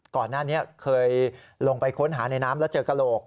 ก่อนหน้านี้เคยลงไปค้นหาในน้ำแล้วเจอกระโหลก